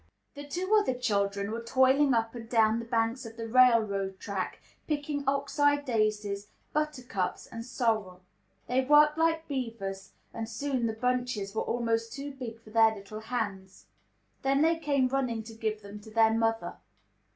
The two other children were toiling up and down the banks of the railroad track, picking ox eye daisies, buttercups, and sorrel. They worked like beavers, and soon the bunches were almost too big for their little hands. Then they came running to give them to their mother.